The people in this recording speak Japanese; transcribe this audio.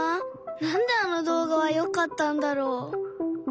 何であの動画はよかったんだろ？